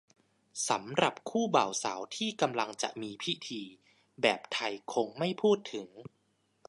สำหรับคู่บ่าวสาวที่กำลังจะมีพิธี แบบไทยคงไม่พูดถึง